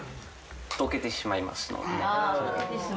溶けてしまいます。